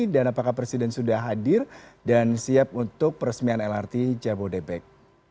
dan apakah presiden sudah hadir dan siap untuk peresmian lrt cabo depeg